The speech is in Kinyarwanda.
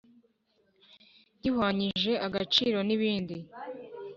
Gihwanyije agaciro nibindi.